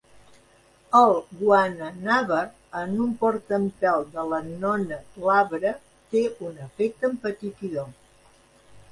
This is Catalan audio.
El guananaber en un portaempelt de l'annona glabra té un efecte empetitidor.